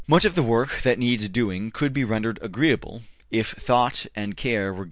Much of the work that needs doing could be rendered agreeable, if thought and care were given to this object.